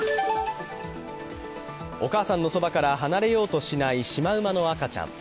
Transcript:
お母さんのそばから離れようとしないシマウマの赤ちゃん。